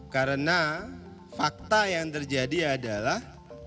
karena fakta yang terjadi adalah